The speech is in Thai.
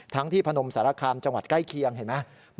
ที่พนมสารคามจังหวัดใกล้เคียงเห็นไหม